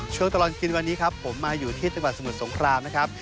ช่วงตลอดกินวันนี้ครับผมมาอยู่ที่จังหวัดสมุทรสงครามนะครับ